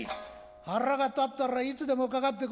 腹が立ったらいつでもかかってこい。